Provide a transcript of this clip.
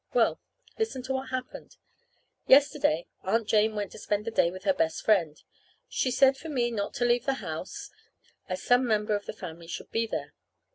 Well, listen what happened. Yesterday Aunt Jane went to spend the day with her best friend. She said for me not to leave the house, as some member of the family should be there.